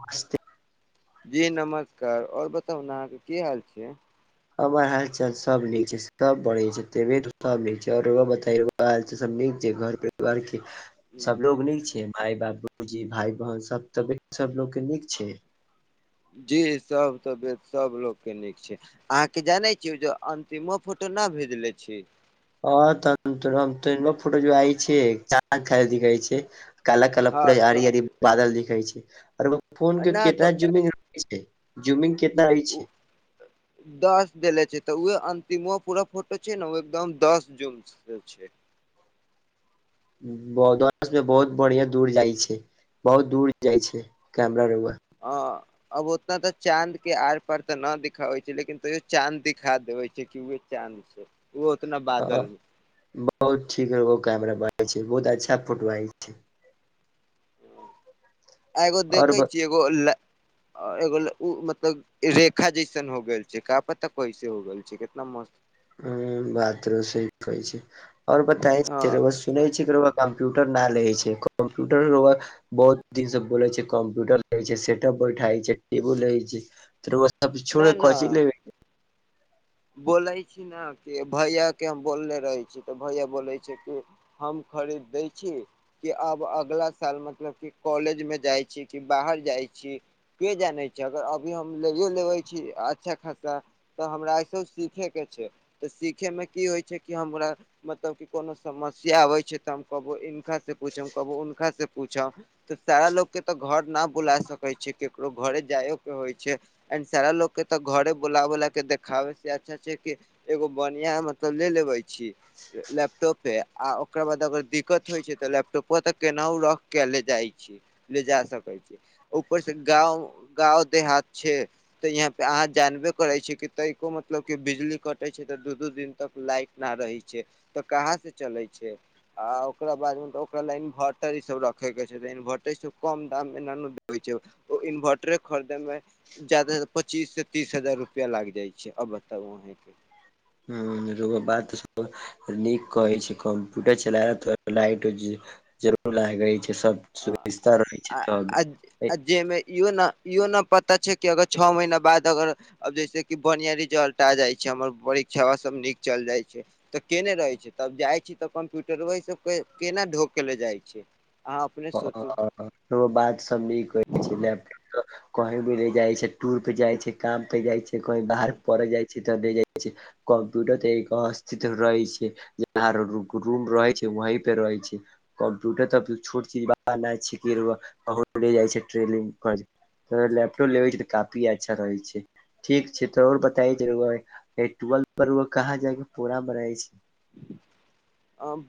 मस्ती जी नमस्कार, और बताउ ने अहाँके की हाल छै? हमर हाल चाल सब नीक छै, सब बढ़ी छै, ते [unintelligible] और बताइयो। बाहर सब नीक छै, घर परिवार के सबलोग नीक छै। माय बाबूजी, भाय -बहन, सब तऽ सब लोग के नीक छै। जी सब तबीयत, सबलोक के नीक छै। अहाँके जानै छियै ओजे अंतिमो फोटो न भेजले छी ह त त त फोटो [unintelligible] छै। काला काला हँ तऽ पूराआरी आरी बादल देखैय छै। अरवक फोन के नहि तऽ कितना जुमिंग [unintelligible] स्टे जूमिंग कितना रहै उ छै। दस देले छै, तऽ उहें अंतिमो पूरा फोटो छै न, ओ एकदम दस जूम स छै। ब दस में बहुत बढ़ियां दूर जाइ छै, बहुत दूर जाइ छै कैमरा रौआ। अँ अब उतना तऽ चाँद के आर-पार तऽ न दिखाबै छै, लेकिन तैयो चाँद दिखा देबे छै, कि उवे चाँद ओ उतना बादल बहुत ठीक गो कैमरा बड़ा छै, बहुत अच्छा फोटो आय छ एगो और देखै ब छियै एगो लै एगो उ मतलब रेखा जैसन हो गेल छै, का पता कैसे हो गेल छै, कितना मस्त हम्म बात र सहि कहै छै, आओर ह बताई रौआ सु सुनै छियै क रौउआ कम्प्यूटर न लै छै, कम्प्यूटर रौउवा बहुत दिन से बोले छै, कम्प्यूटर रहै छै, सेटप बैठाइ छै, टेबुल रहै छै, त रौउवा अभी छोड़े न कहै छय इ न लेवे। बोलै छी न कि भैया के हम बोलले रहै छी, त भैया बोलै छै कि हम खरीद दै छी। कि आब अगला साल मतलब कि कॉलेजमे जाइ छी, कि बाहर जाइ छी। के जानै छै अगर अभी हम लैयो लेबय छी, अच्छा खासा तऽ हमरा सब सीखैके छै, तऽ सीखैमे की होइ छै कि हमरा मतलब कि कोनो समस्या आबै छै, तऽ हम कहबो इनका से पूछ हम कहबो उनका से पूछब तऽ सारा लोक के तऽ घर न बुला सकै छि, केकरो घरे जायो के होइ छै। एंड सारा लोक के तऽ घरे बोला-बोला के देखाबे जे अच्छा-अच्छा के एगो बढ़िया मतलब ले लेबय छी। लैपटॉपे आ ओकरा बाद अगर दिक्कत होइ छै त, लैपटॉपवा त केनाहु रख के ले जाय छी। ले जा सकै छि, ऊपरसँ गाँव-गाँव देहात छै तऽ यहाँ पे अहाँ जानबे करै छीयै कि तोइकको मत मतलब कि बिजली कटै छै तऽ दू-दू दिन तक लाइट न रहै छै तऽ कहाँ से चले छै। आ ओकरा बाद मे ओकरा ल इन्वर्टर इ सब रखै के छै, इन्वर्टर सब कम दाम मे न नऽ दै छै। ओ इन्वर्टरे खरीदे में जयादा स पच्चीस संब तीस हजार रुपआ लागि जाइ छै अब बता तब वहैं के हम्म रउवा बाद त सब नीक कहै छै, कम्प्यूटर चलाए त लाइट ज जड़बै बला अहां रहै छै सब ओ सुविस्ता रहै आ छै तब अँ ज ए आ जहिमे इहो ना -इहो ना पता छै कि अगर छौ महीना बाद अगर अब जैसे कि बढ़िया रिजल्ट आ जाय छै, हमर परीक्षवा सब नीक चल जाय छै। तऽ केने रहे छै, तब जाए छी तब कंप्यूटरवा इ सब के केना ढों के ले जाय छै। अहां अँ -अँ -अँ हमर बात सब नीक कहै छै, लैपटॉ प कहीं भी ले जाइ छै, टूर पे जाइ छै काम पे जाइ छै, कही बाहर पढ़ऽ जाइ छै। त ले जाए छै, कम्प्यूटर त एक अस्थित रहै छै। जहां रु रूम रहै छै वही पे रहै छै, कम्प्यूटर तऽ पि छोट चीज बा ना छिके रौवा बहुत ले जाइ छै ट्रेनिंग करे। त लेपटॉप लेबय के त काफी अच्छा रहै छै। ठीक छै त और बताइ ज रौवा इ टुवल पर रौवा कहाँ जायके प्रोग्राम बनाय छि।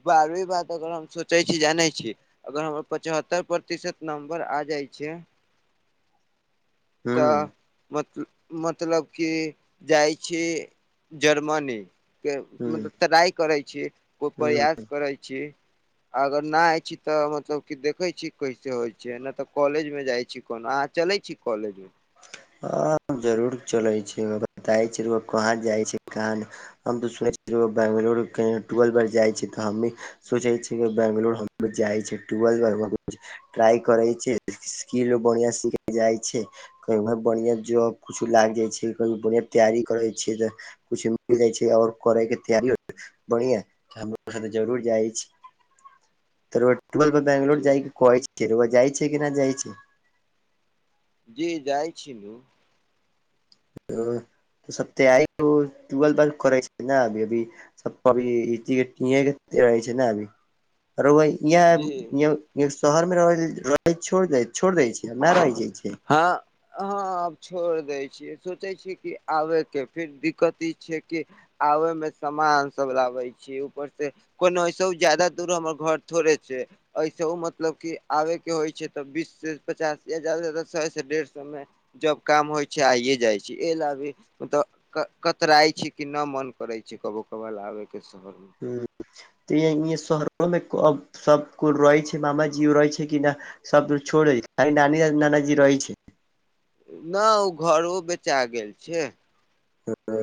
बारहवीं बाद अगर हम सोचै छी जानै छी। अगर हमर पचहत्तर प्रतिशत नंबर आ जाइ छै। हूं तऽ मत मतलब कि जाइ छी जर्मनी के हूं मतलब त्राई करै छी को हूं प्रयास करै छी अगर ना आइ छी तऽ मतलब कि देखै छी कैसे होइ छै नहि तऽ कॉलेज मे जाए छी कोन अहाँ चलै छी कॉलेज मे ह जरूर चलै छै ओ बताइ छै ओ कहाँ जाइ छै कहा न हम तऽ सुने छियै जे ओ बंगलोरू के टुवेल बार जाइ छी तऽ हमी सोचै छी बैंगलोर हम जाइ छी टुवेल बार [unintelligible] ट्राई करै छै स्किलो बढ़िआ सिख जाए छै कयो बढ़िआं जॉब कुछो लागि जाइ छै क बढ़िआँ तैयारी करै छियै जे कुछ मिल जाई छै ओर करै के तैयारी हो बढ़िआ हमरो त जरूर जाइ छी तरो टुवेल बार बेंगलोर जी जाइ करै छै रउवा जाइ छै कि नहि जाइ छै जी जाई छी नु सब तेयारी अ टुवेल करै छै नऽ अभी अभी सब पबि [unintelligible] नऽ अभी रउआ ई य जी य य शहर मे रहे छोड़ दे छोड़ दै छिये न रहि जाये छैय हँ हँ आब छोड़ दै छियै सोचै छीय कि आबे के फेर दिक्कत ई छिये कि आबेए मे सामान सब लाबे छी ऊपर से कोनो ओएसे हु जादा दूर हमर घर थोड़े छै ऐसेहु मतलब की आबे के होए छै तऽ बीश- पचास या ज्यादा सौ से डेढ़ सौ में जब काम होए छै आइए जाइ छी एहि ल अभी मत कतराइ छी कि न मन करे छै कबो कबाल आबे के शहर मे त ये इया शहरो मे के अब सब कोइ रहै छै मामाजी रहै छै कि नहि सब तऽ छोड़ै छै नानी आ नानाजी रहै छै नऽ ओ घरो बेचा गेल छै ह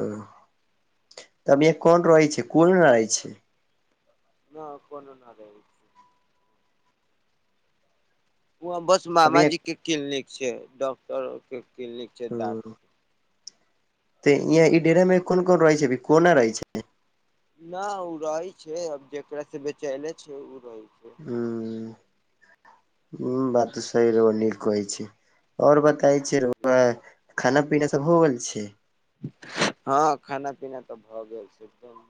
तऽ अभिए कोन रहै छै कोन रहै छै न कोनो न रहे छै ऊहा बस अभी मामाजी के क्लिनिक छै डॉक्टरों के क्लिनिक छै दाँत तऽ यहाँ ई डेरा मे कोन कोन रहै छै अभी कोना रहै छै न ऊ रहै छै अब जेकरा से बेचले छै ऊ रहै छै हुं हं बात सही रह नीक कहै छै ओर बताय छै रउआ खाना-पीना सब हो गेल छै हँ खाना-पीना तऽ भऽ गेल छै दम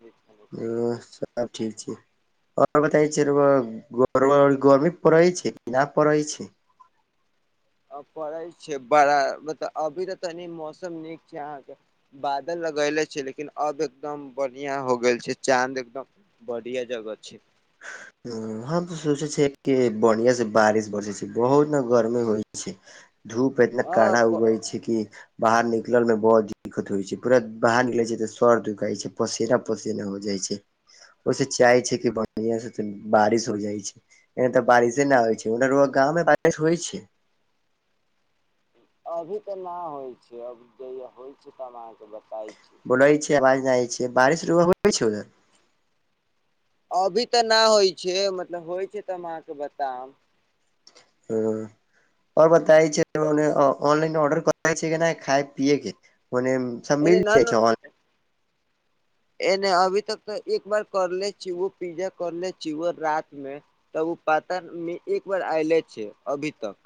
ह सब ठीक छै ओर बताय छै रउआ गरमी पड़ै छै कि ना पड़ै छै आब पड़ै छै बड़ा मतलब अभी तऽ तनी मौसम नीक छै अहाँके बादल लगैले छै लेकिन अब एकदम बढ़िया हो गेल छै चाँद एकदम बढ़िआ जगह छै हम तऽ सोचे छै कि बढ़िया से बारिश बरसे छै बहुत ने गर्मी होइ छै धूप एतना कड़ा अ उगै छै कि बाहर निकलल में बहोत दिक्कत होइ छै पूरा बाहर निकले छै तऽ सर दखाइ छै पसेरा ओसे न हो जाइ छै ओहिस चाहय छै कि बढ़िआ स स बारिश हो जाइ छै ए तऽ बारिशे नइ आइ छै गाँव मे बारिश होइ छै अभी तऽ ना होइ छै अब जहिया होइ छै तब हम अहाँके बताय छी बोलै छै आवाज न जाइ छै बारिश रऊआ होइ छै उधर अभी तऽ ना होइ छै मतलब होइ छै तऽ हम अहाँके बताब हँ आओर बताय छै ऑनलाइन ऑर्डर करे छै कि नय खाय पिये के ओने सब एने मिल [inaudible] न न एने अभी तक तऽ एक बार करले छी उ पिज्जा करले छी व रात मे त उ पात मे एक बार आयले छै अभी तक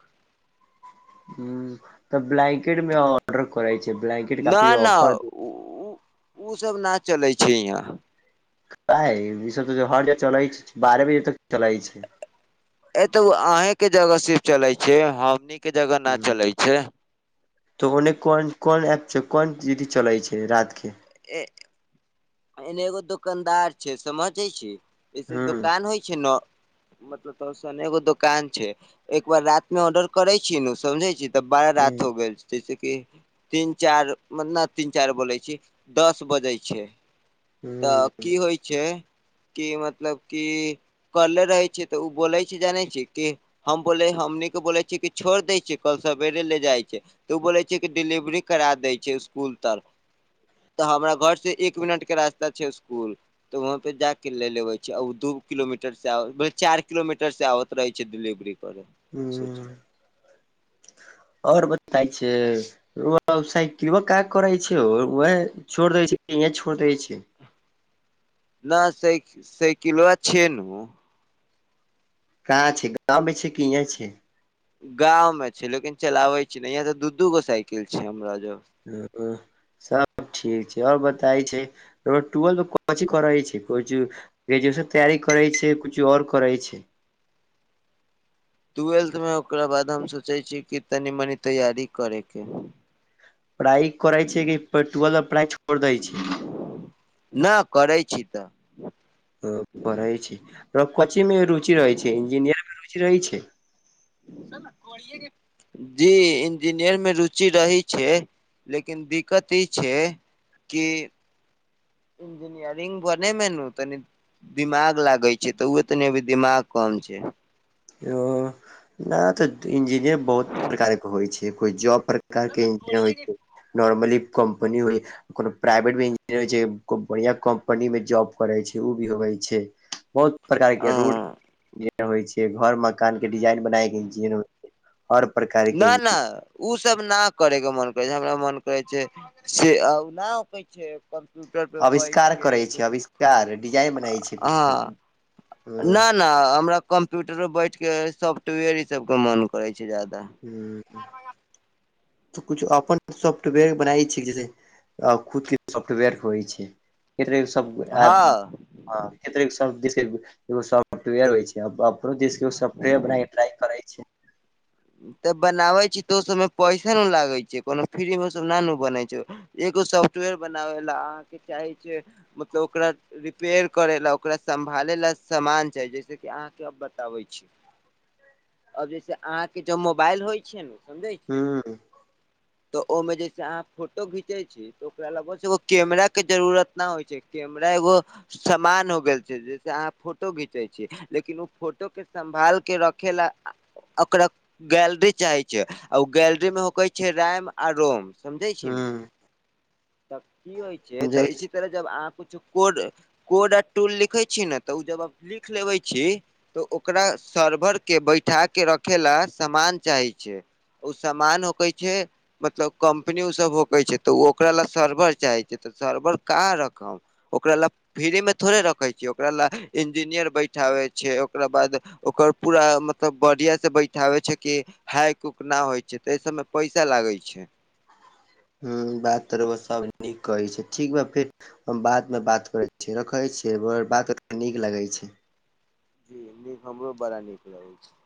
हँ तऽ ब्लैंकेट में ऑर्डर करे छै ब्लैंकेट न काफी न ऑफर उ उ सब ना चले छै यहां काहे ई सब त हरज चलै छै बारह बजे तक चलै छै ए तऽ ओ अहें के जगह सिर्फ चले छै हमनी के जगह न हुं चले छै तऽ ओन्ने कोन कोन ऐप छै कोन जीडी चलै छै रात के ए एने एगो दोकनदार छै समझे छी जैसे हूँ दोकान होइ छै न मतलब तसनेगो दोकान छै एक बार रात में ऑर्डर करय छी नु समझे छी तऽ बारा हूँ रात हो गेल जैसे कि तीन चार न तीन चार बोलै छी दस बजै छै हूँ अ की होइ छै कि मतलब कि करले रहै छि तऽ उ बोलै छै जानै छै कि हम बोले हमनीके बोले छीयै कि छोड़ देै छियइ कल सवेरे ले जाइ छै तऽ उ बोलै छै कि डिलेवरी करा दै छै इसकुल तक तऽ हमरा घर से एक मिनट के रास्ता छै स्कुल तऽ वहाँ पे जा के ले लेबे छै दू किलोमीटर से आउ चार किलोमीटर से आत त रहै छै डिलिवरी करै हँ आओर बताइ छै रऊआ उ साइकिलबा का करै छै वह वैह छोड़ दै छै हे छोड़ दै छै ना सा साइकिलबा छेनु कहाँ छै गाँवमे छै कि इहाँ छै गाँव में छै लेकिन चलाबे छी ने यहाँ तऽ दू दू गो साइकिल छै हमरा जो हँ सब ठीक छै आओर बताई छै र ट्वेल्थ कथी करै छै [unintelligible] ग्रेजुएशन तैयारी करै छै कुछु और करै छै ट्वेल्थमे ओकरा बाद हम सोचै छी कि तनी मनी तैयारी करैके प्राय करै छै कि फे टुएल्थ में प्राय छोड़ दै छै ना करै छी तऽ हं पढ़ै छी र कची मे रुचि रहै छै इंजीनियर मे रुचि रहै छै जी इंजीनियर मे रुचि रही छै लेकिन दिक्कत ई छै कि इंजीनियरिंग बने में नु तनी दिमाग लागै छै तऽ ओ तनी अभी दिमाग कम छै ओ ना तऽ इंजीनियरंग बहुत प्रकार के होइ छै कोई जॉब पर का के इंज होइ छइ नॉर्मली कम्पनी होइ कोनो प्राइवेट भी इंजीनियर हो छै, खुब बढ़िआ कंम्पनी मे जॉब करै छै, ओ भी होइ छै। बहुत प्रकार के रूड हँ जे होइ छै, घर- मकान के डिजाइन बनाय के इन्जी हर प्रकार। ना- ना। उ सब ना करे के मन करै छै, हमरा मन करै छै से नहि कहै छै। कम्प्यूटर पे बैठ अविष्कार के करै छै, कुछु अविष्कार डिजाइन बनाय छै किछ हू। ने हमरा कम्प्यूटर पर बैठ के सॉफ्टवेयर ई सब के मन करे छै जादा। हूं। दरभंगा। तऽ कुछु अपन सॉफ्टवेयर बनाय छी, जैसे खुद के सॉफ्टवेयर होइ छै। [unintelligible] अपनो हँ देश के सोफ्टवेयर बना के ट्राइ करे छै। तऽ बनाबे छी, तऽ ओ सबमें पैसा न लागे छै, कोनो फ्री मे ओ सब ना बनै छै। एगो सॉफ्टवेयर बनाबै लऽ अहाँके चाहै छै, मतलब ओकरा रिपेयर करै लए, ओकरा सम्भालै लए समान चाही, जैसे अहाँके अब बताबै छी। अब जैसे अहाँ के जो मोबाइल होइ छै ने, समझे हूऽ। तऽ ओहिमें जे छै, अहाँ फोटो घीचे छी। ओकरा लग एगो कैमरा के जरूुरत ना होइ छै कैमरा एगो सामान हो गेल छै, जैसे अहाँ फोटो घीचे छीयै लेकिन ओ फोटो के सम्भाल के रखे ला ओक गैलरी चाहे छै, ओ गैलरी मे होकै छै, रैम, आ रोम, समझे छी ने हूँ तब की होइ छै, समझै तऽ छी इसी तरह जब अहाँ कुछु कोड -कोड आ टूल लिखै छी ने, तऽ ओ जब लिख लेबै छी। तऽ ओकरा सर्वर के बैठा के रखे ला समान चाहे छै। ओ सामान होक छै, मतलब कम्पनी उ सब होक छै, तऽ ओ ओकरा लए सर्वर चाहै छै, तऽ सर्वर कहां रखम, ओकरा लए फ्री में थोड़े रखे छियै ओकरा लए, इंजीनियर बैठाबे छै ओकरा बाद ओकर पूरा मतलब बढ़िया से बैठाबै छै कि। हाइक- उक ना होइ छै, तऽ एहि सभमे पैसा लागैत छै। ह बात तऽ रोआ सब नीक कहै छै, ठीक बा फेर हम बाद मे बात करै छीयै, रखे छियै बात नीक लगै छै। जी नीक हमरो बड़ा नीक लगै छै।